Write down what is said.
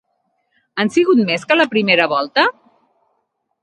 Han sigut més que a la primera volta?